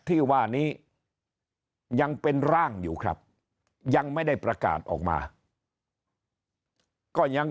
ที่ว่านี้ยังเป็นร่างอยู่ครับยังไม่ได้ประกาศออกมาก็ยัง